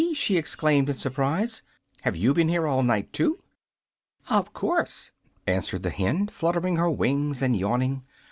she exclaimed, in surprise; "have YOU been here all night, too?" "Of course," answered the hen, fluttering her wings and yawning.